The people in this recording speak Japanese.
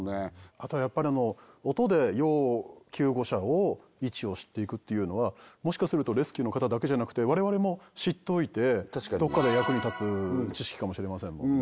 あとやっぱり音で要救護者の位置を知っていくっていうのはもしかするとレスキューの方だけじゃなくて我々も知っといてどっかで役に立つ知識かもしれませんもんね